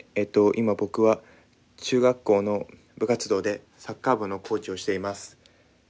今僕は中学校の部活動でサッカー部のコーチをしています。